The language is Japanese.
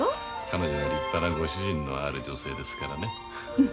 彼女は立派なご主人のある女性ですからね。